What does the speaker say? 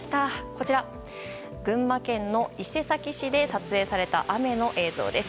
こちら、群馬県の伊勢崎市で撮影された雨の映像です。